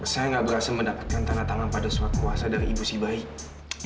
saya gak berhasil mendapatkan tanda tangan pada suatu kuasa dari ibu si bayi